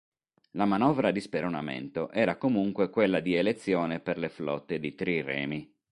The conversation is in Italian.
La manovra di speronamento era comunque quella di elezione per le flotte di triremi.